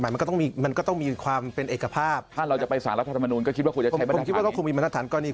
ผมคิดว่าเขาก็คงมีบรรทัฐานก่อนนี้